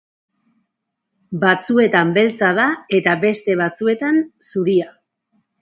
Batzuetan beltza da eta beste batzuetan zuria.